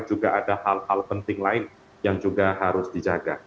juga ada hal hal penting lain yang juga harus dijaga